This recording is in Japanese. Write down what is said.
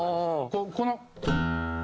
この。